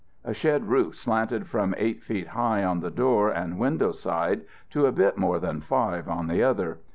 A shed roof slanted from eight feet high on the door and window side to a bit more than five on the other.